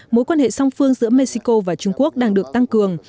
mối quan hệ song phương giữa mexico và trung quốc đang được tăng cường